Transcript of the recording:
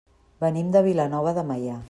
Venim de Vilanova de Meià.